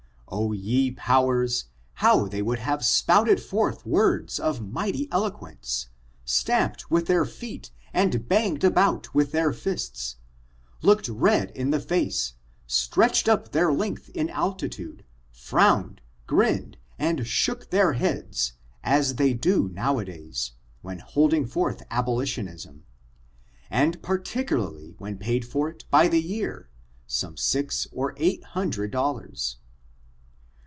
Oh, ye powers, how they would have spouted forth words of mighty eloquence, stamped with their feet and banged about with their fists, looked red in the face^ stretched up their length in altitude, frowned, grin ned and shook their heads, as they do now a days, when holding forth abolitionism — and particularly when paid for it by the year, some six or eight hun dred dollars.